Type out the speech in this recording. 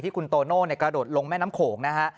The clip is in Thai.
คุณโตโน่กระโดดลงแม่น้ำโขงนะฮะ